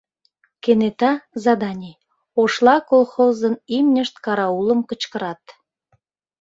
Кенета заданий: «Ошла» колхозын имньышт «караулым» кычкырат.